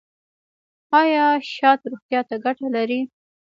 ایا شات روغتیا ته ګټه لري؟